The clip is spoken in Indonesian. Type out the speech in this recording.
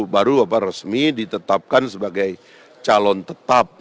baru bapak resmi ditetapkan sebagai calon tetap